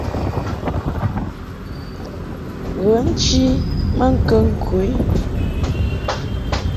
Ghə nchi maŋkəŋ ku i.